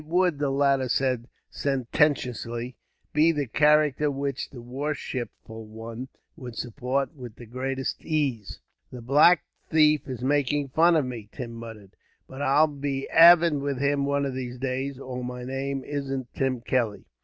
"It would," the latter said sententiously, "be the character which the worshipful one would support with the greatest ease." "The black thief is making fun of me," Tim muttered; "but I'll be aven with him one of these days, or my name isn't Tim Kelly.